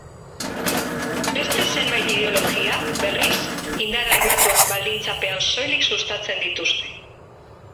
Beste zenbait ideologia, berriz, indar armatuak baldintzapean soilik sustatzen dituzte.